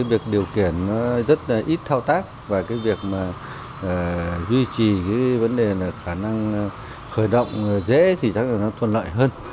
cái việc điều khiển nó rất là ít thao tác và cái việc mà duy trì cái vấn đề là khả năng khởi động dễ thì chắc là nó thuận lợi hơn